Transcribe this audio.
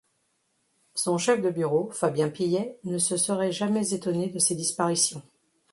Son chef de bureau, Fabien Pillet, ne se serait jamais étonné de ces disparitions.